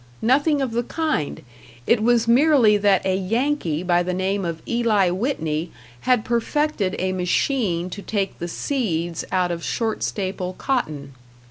Nothing of the kind; it was merely that a Yankee by the name of Eli Whitney had perfected a machine to take the seeds out of short staple cotton.